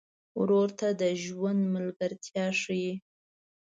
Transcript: ورور ته د ژوند ملګرتیا ښيي.